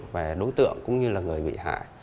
về đối tượng cũng như là người bị hại